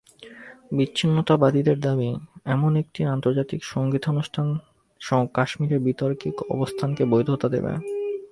বিচ্ছিন্নতাবাদীদের দাবি, এমন একটি আন্তর্জাতিক সংগীতানুষ্ঠান কাশ্মীরের বিতর্কিত অবস্থানকে বৈধতা দেবে।